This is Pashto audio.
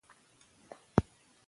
د ښوونې لپاره بودیجه زیاتول اړین دي.